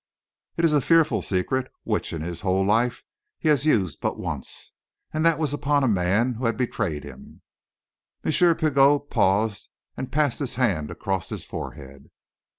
It is a fearful secret, which, in his whole life, he had used but once and that upon a man who had betrayed him." M. Pigot paused and passed his hand across his forehead.